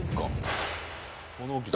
「物置だ」